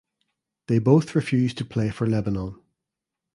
They both refused to play for Lebanon.